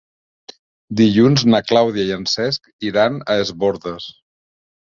Dilluns na Clàudia i en Cesc iran a Es Bòrdes.